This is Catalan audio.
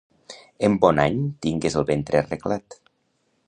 En bon any tingues el ventre arreglat.